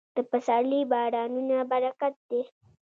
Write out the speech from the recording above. د پسرلي بارانونه برکت دی.